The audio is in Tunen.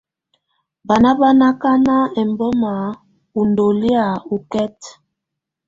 Banà bà ná akana ɛmbɔma ú ndɔlɔ̀́á ɔkɛta.